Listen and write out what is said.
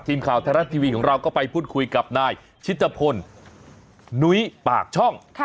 ทีมข่าวไทยรัฐทีวีของเราก็ไปพูดคุยกับนายชิตพลนุ้ยปากช่อง